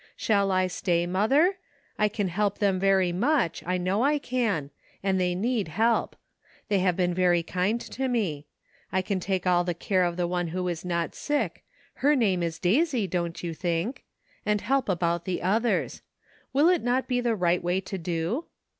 Shall I stay, mother? I can help them very much, I know I can, and they need help. They have been very kind to me. I can take all the care of the one who is not sick — her name is Daisy, don't you think — and help about the others. Will it not be the right way to do?